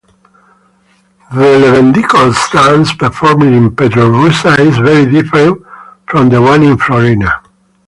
The Levendikos dance performed in Petroussa is very different from the one in Florina.